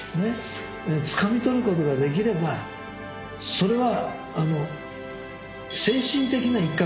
「それは」